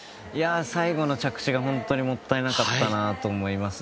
最後の着地が本当にもったいなかったなと思います。